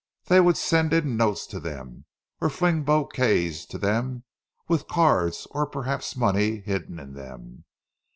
They would send in notes to them, or fling bouquets to them, with cards, or perhaps money, hidden in them.